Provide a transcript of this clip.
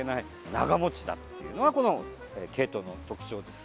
長持ちだっていうのはこのケイトウの特徴です。